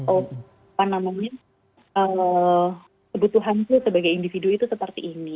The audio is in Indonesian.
apa namanya kebutuhanku sebagai individu itu seperti ini